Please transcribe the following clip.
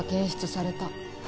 された。